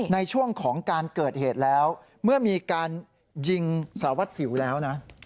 ในช่วงของการเกิดเหตุแล้วเมื่อมีการยิงสารวัตรสิวแล้วนะ